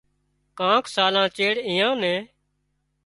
ڪانڪ سالان چيڙ ايئان نين